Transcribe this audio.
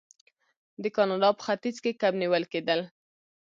د کاناډا په ختیځ کې کب نیول کیدل.